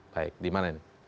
baik dimana ini